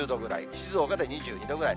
静岡で２２度ぐらい。